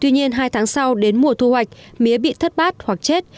tuy nhiên hai tháng sau đến mùa thu hoạch mía bị thất bát hoặc chết